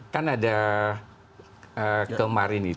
kan ada kemarin itu